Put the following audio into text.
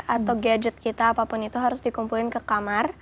atau gadget kita apapun itu harus dikumpulin ke kamar